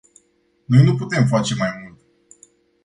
Noi nu putem face mai mult.